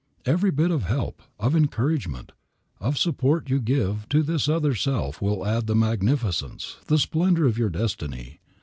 Every bit of help, of encouragement, of support you give to this other self will add to the magnificence, the splendor of your destiny.